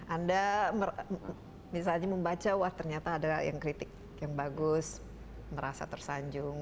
anda misalnya membaca wah ternyata ada yang kritik yang bagus merasa tersanjung